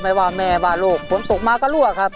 เพลงนี้อยู่ในอาราบัมชุดแรกของคุณแจ็คเลยนะครับ